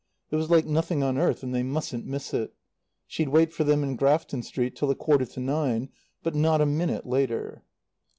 It was like nothing on earth, and they mustn't miss it. She'd wait for them in Grafton Street till a quarter to nine, but not a minute later.